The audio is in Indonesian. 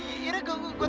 iya dia kaget